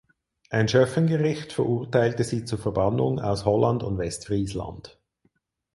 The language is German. Ein Schöffengericht verurteilte sie zur Verbannung aus Holland und Westfriesland.